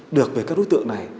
được về các đối tượng này